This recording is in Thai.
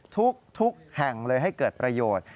ทุกแห่งเลยให้เกิดประโยชน์